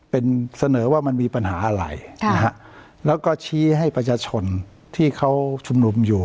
เป็นเสนอว่ามันมีปัญหาอะไรนะฮะแล้วก็ชี้ให้ประชาชนที่เขาชุมนุมอยู่